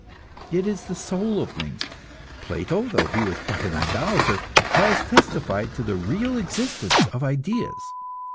It is the soul of things. Plato, though he was but an idolater, has testified to the real existence of ideas.